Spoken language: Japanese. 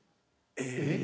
えっ？